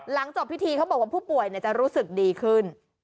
จบพิธีเขาบอกว่าผู้ป่วยจะรู้สึกดีขึ้น